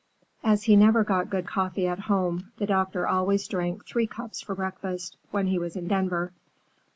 As he never got good coffee at home, the doctor always drank three cups for breakfast when he was in Denver.